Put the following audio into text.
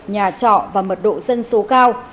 nhà trọ và mật độ dân số cao